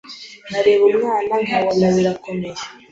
nkareba umwana nkabona birakomeye